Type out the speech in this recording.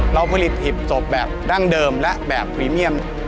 เราผลิตหีบศพแบบดั้งเดิมและแบบพรีเมียม